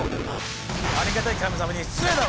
ありがたい神様に失礼だろ！